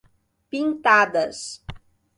Pintadas